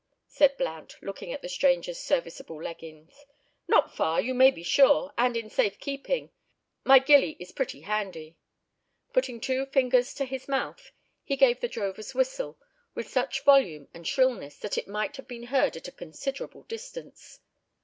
said Blount, looking at the stranger's serviceable leggings. "Not far, you may be sure, and in safe keeping; my gillie is pretty handy." Putting two fingers to his mouth, he gave the drover's whistle, with such volume and shrillness that it might have been heard at a considerable distance.